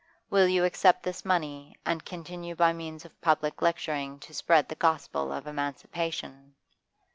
Will you accept this money, and continue by means of public lecturing to spread the gospel of emancipation?